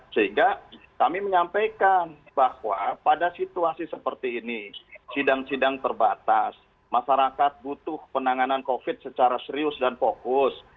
sehingga kami menyampaikan bahwa pada situasi seperti ini sidang sidang terbatas masyarakat butuh penanganan covid secara serius dan fokus